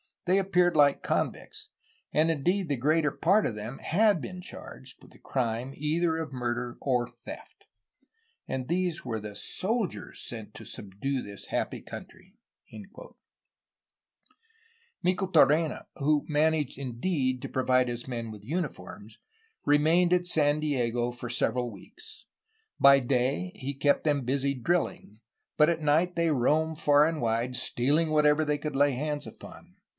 They appeared like convicts, and indeed the greater part of them had been charged with the crime either of murder or theft. And these were the soldiers sent to subdue this happy country." Micheltorena, who managed indeed to provide his men with uniforms, remained at San Diego for several weeks. By day he kept them busy drilling, but at night they roamed far and wide, stealing whatever they could lay hands upon.